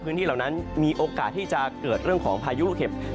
พื้นที่เหล่านั้นมีโอกาสที่จะเกิดเรื่องของพายุเหลวเข็บ